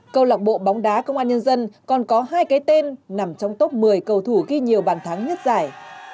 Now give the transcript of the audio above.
câu lạc bộ bóng đá công an nhân dân còn có hai cái tên nằm trong top một mươi cầu thủ ghi nhiều bàn thắng nhất giải